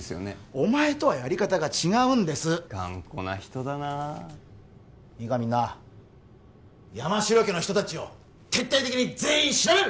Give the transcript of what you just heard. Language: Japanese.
お前とはやり方が違うんですッ頑固な人だなあいいかみんな山城家の人達を徹底的に全員調べる！